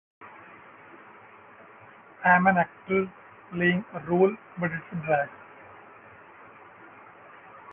I'm an actor playing a role, but it's drag.